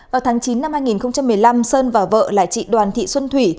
vào tháng chín năm hai nghìn một mươi năm sơn và vợ là chị đoàn thị xuân thủy